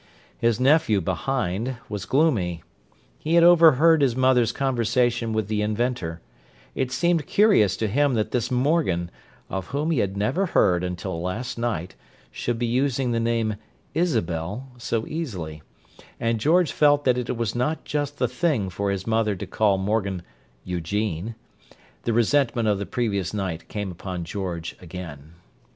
His nephew, behind, was gloomy. He had overheard his mother's conversation with the inventor: it seemed curious to him that this Morgan, of whom he had never heard until last night, should be using the name "Isabel" so easily; and George felt that it was not just the thing for his mother to call Morgan "Eugene;" the resentment of the previous night came upon George again.